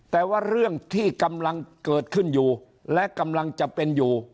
แต่ว่าเรื่องที่กำลังเกิดขึ้นอยู่และกำลังจะเป็นอยู่